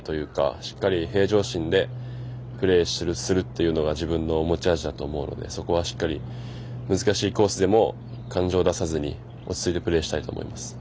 しっかり平常心でプレーするのが自分の持ち味だと思うのでそこはしっかり難しいコースでも感情を出さずに落ち着いてプレーしたいと思います。